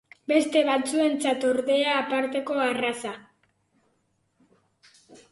Beste batzuentzat ordea aparteko arraza.